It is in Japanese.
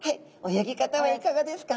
泳ぎ方はいかがですか？